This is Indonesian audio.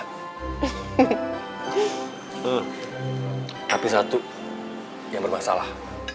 tapi satu yang bermasalah